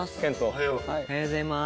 おはようございます。